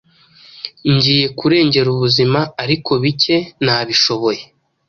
Njyiye kurengera ubuzima ariko bike nabishoboye